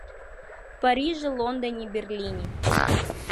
Парижи, Лондони, Берлини.